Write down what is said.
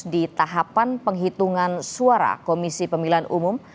di tahapan penghitungan suara komisi pemilihan umum